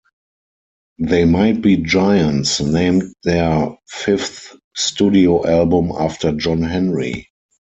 They Might Be Giants named their fifth studio album after John Henry.